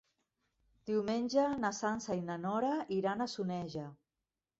Diumenge na Sança i na Nora iran a Soneja.